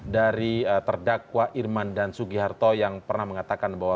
dari terdakwa irman dan sugiharto yang pernah mengatakan bahwa